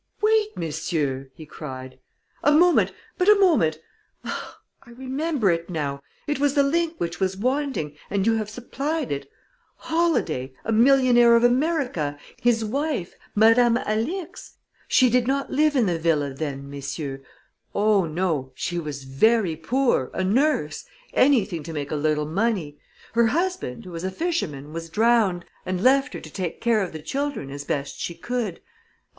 "Wait, messieurs!" he cried. "A moment. But a moment. Ah, I remember it now it was the link which was wanting, and you have supplied it Holladay, a millionaire of America, his wife, Madame Alix she did not live in the villa, then, messieurs. Oh, no; she was very poor, a nurse anything to make a little money; her husband, who was a fisherman, was drowned, and left her to take care of the children as best she could.